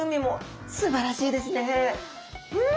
うん！